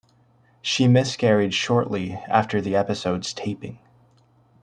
She miscarried shortly after the episode's taping.